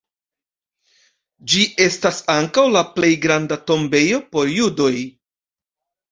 Ĝi estas ankaŭ la plej granda tombejo por judoj.